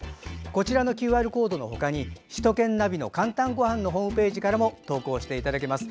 こちらのＱＲコードの他に首都圏ナビの「かんたんごはん」のホームページからも投稿いただけます。